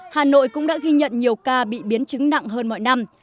hà nội cũng đã ghi nhận nhiều ca bị biến chứng nặng hơn mọi năm